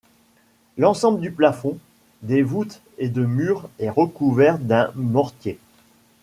L’ensemble du plafond, des voûtes et de murs est recouvert d’un mortier.